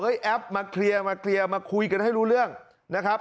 แอปมาเคลียร์มาเคลียร์มาคุยกันให้รู้เรื่องนะครับ